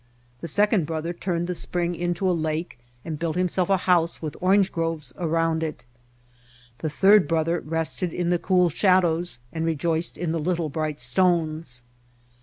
The second brother turned the spring into a lake and built himself a house with orange groves around it. The third brother rested in the cool shadows and rejoiced in the little bright stones."